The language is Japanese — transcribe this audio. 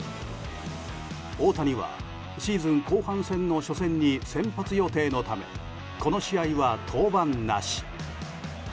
大谷はシーズン後半戦の初戦に先発予定のためこの試合は登板なし。